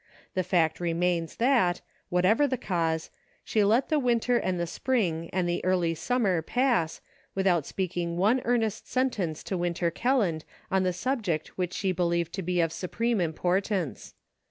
The fact remains that, whatever the cause, she let the winter and the spring and the early summer pass, without speaking one earn est sentence to Winter Kelland on the subject which she believed to be of supreme importance.